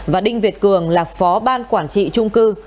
và đinh việt cường là phó ban quản trị trung cư